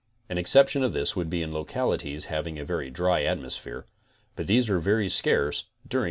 An exception of this would be in localities having a very dry atmosphere, but these are very searce during the urge period.